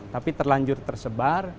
tapi terlanjur tersebar